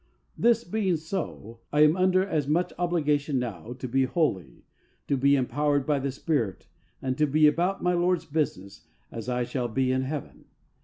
This being so, I am under as much obligation now to be holy, to be empowered by the Spirit, and to be about my Lord's business, as I shall be in heaven.